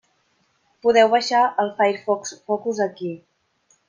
Podeu baixar el Firefox Focus aquí.